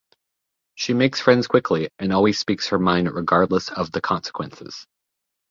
She makes friends quickly and always speaks her mind regardless of the consequences.